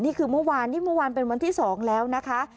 นี่คือเมื่อวานนี่เมื่อวานเป็นวันที่๒แล้วนะคะ